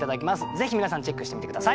ぜひ皆さんチェックしてみて下さい。